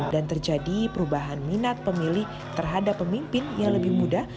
dan terjadi perubahan minat pemilih terhadap pemimpin yang lebih muda